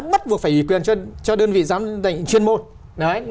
bắt buộc phải ủy quyền cho đơn vị giám định chuyên môn